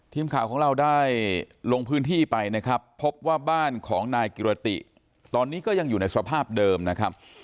ทีมข่าวของเราได้ลงพื้นที่ไปนะครับพบว่าบ้านของนายกิรติตอนนี้ก็ยังอยู่ในสภาพเดิมนะครับ